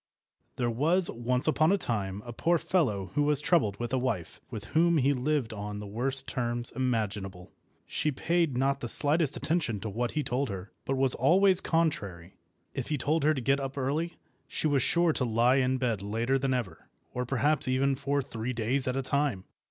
THERE was once upon a time a poor fellow who was troubled with a wife, with whom he lived on the worst terms imaginable. She paid not the slightest attention to what he told her, but was always contrary. If he told her to get up early, she was sure to lie in bed later than ever, or perhaps even for three days at a time.